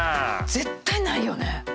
絶対ないよね。